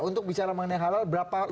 untuk bicara mengenai halal berapa